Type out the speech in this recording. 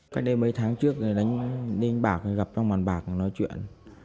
cách đây mấy tháng trước đánh bạc gặp trong bàn bạc nói chuyện